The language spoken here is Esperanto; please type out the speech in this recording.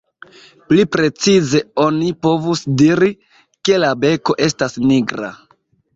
Pli precize oni povus diri, ke la beko estas nigra.